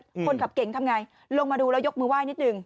คนขับเก่งทำไงลงมาดูแล้วยกมือไห้นิดหนึ่ง